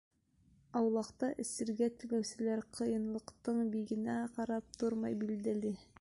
Аулаҡта эсергә теләүселәр ҡайынлыҡтың бигенә ҡарап тормай, билдәле.